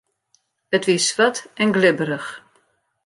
It wie swart en glibberich.